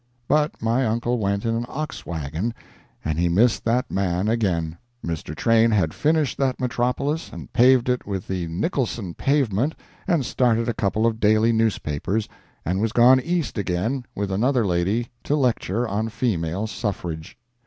But my uncle went in an ox wagon, and he missed that man again. Mr. Train had finished that metropolis and paved it with the Nicolson pavement, and started a couple of daily newspapers, and was gone East again with another lady to lecture on female suffrage.